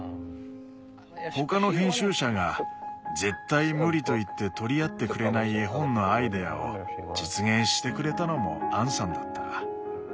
他の編集者が「絶対無理」と言って取り合ってくれない絵本のアイデアを実現してくれたのもアンさんだった。